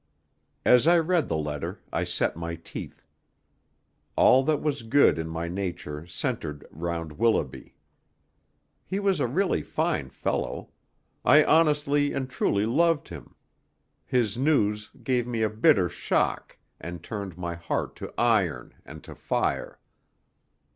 As I read the letter I set my teeth. All that was good in my nature centred round Willoughby. He was a really fine fellow. I honestly and truly loved him. His news gave me a bitter shock, and turned my heart to iron and to fire.